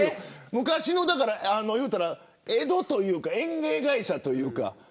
昔の江戸というか演芸会社というか。